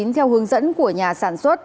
theo hướng dẫn của nhà sản xuất